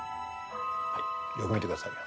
・はい・よく見てくださいね。